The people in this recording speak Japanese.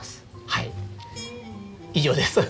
はい以上です。